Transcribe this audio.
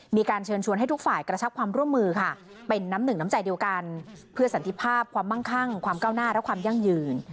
มีการเชิญชวนให้ทุกฝ่ายกระชักความร่วมมือ